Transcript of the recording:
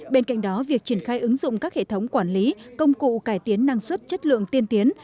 bên cạnh đó việc triển khai ứng dụng các hệ thống quản lý công cụ cải tiến năng suất chất lượng tiên tiến